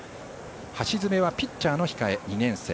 橋爪はピッチャーの控え２年生。